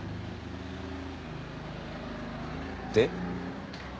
で？